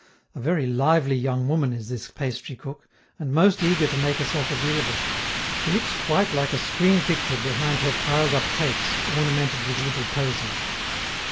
A very lively young woman is this pastry cook, and most eager to make herself agreeable; she looks quite like a screen picture behind her piled up cakes, ornamented with little posies.